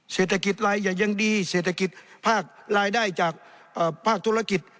เศรษฐกิจรายใหญ่ยังดีเศรษฐกิจภาครายได้จากภาคธุรกิจ